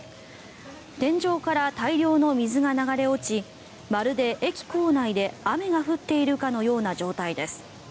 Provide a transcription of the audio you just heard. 天井から大量の水が流れ落ちまるで駅構内で雨が降っているかのような状態です。